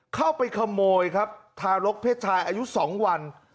เข้าไปขโมยครับทารกเพศชายอายุ๒วัน